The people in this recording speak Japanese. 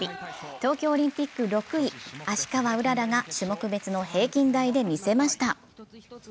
東京オリンピック６位、芦川うららが種目別の平均台で見せました。